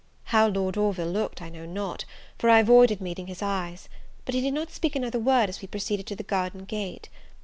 How Lord Orville looked I know not, for I avoided meeting his eyes; but he did not speak another word as we proceeded to the garden gate.